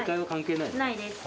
ないです。